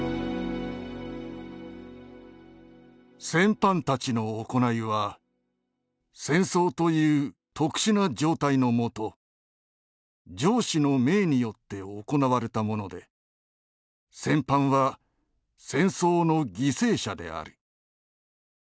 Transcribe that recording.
「戦犯たちの行いは戦争という特殊な状態の下上司の命によって行われたもので戦犯は戦争の犠牲者である。